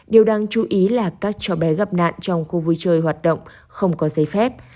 điều đáng chú ý là các cháu bé gặp nạn trong khu vui chơi hoạt động không có giấy phép